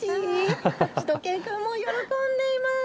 しゅと犬くんも喜んでいます。